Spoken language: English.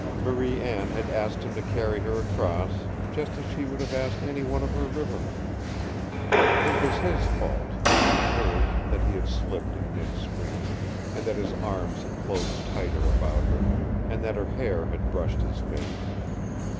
Marie Anne had asked him to carry her across just as she would have asked any one of her rivermen. It was his fault, and not hers, that he had slipped in mid stream, and that his arms had closed tighter about her, and that her hair had brushed his face.